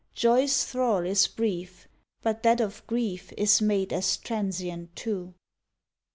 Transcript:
Joy s thrall is brief, But that of grief Is made as transient too.